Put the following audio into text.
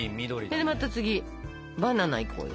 それでまた次バナナいこうよ。